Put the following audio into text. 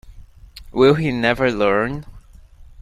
Will he never learn?